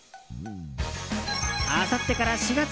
あさってから４月。